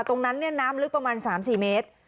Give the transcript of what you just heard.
ตรงนั้นน้ำลึกประมาณ๓๔เมตร